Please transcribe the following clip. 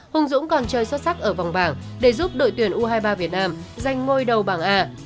hùng dũng còn chơi xuất sắc ở vòng bảng để giúp đội tuyển u hai mươi ba việt nam giành ngôi đầu bảng a